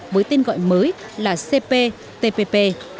với tên gọi mới là cptpp